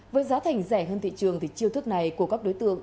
với giá thành rẻ hơn thị trường thì chiêu thức này của các đối tượng